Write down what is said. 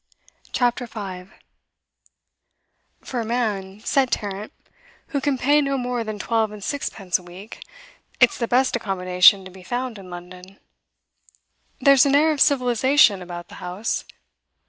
CHAPTER 5 'For a man,' said Tarrant, 'who can pay no more than twelve and sixpence a week, it's the best accommodation to be found in London. There's an air of civilisation about the house.